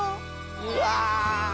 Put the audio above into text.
うわ。